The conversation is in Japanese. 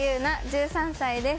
１３歳です。